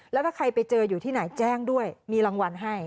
แล้วถ้าใครไปเจออยู่ที่ไหนแจ้งด้วยมีรางวัลให้